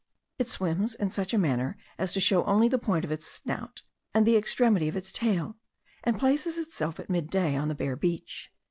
It swims in such a manner as to show only the point of its snout, and the extremity of its tail; and places itself at mid day on the bare beach.